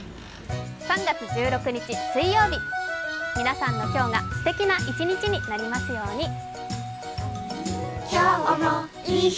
３月１６日水曜日、皆さんの今日がすてきな一日になりますように。